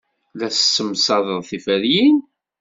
La tessemsadeḍ tiferyin.